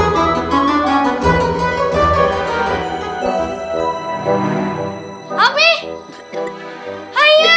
jangan ganggu orang tidur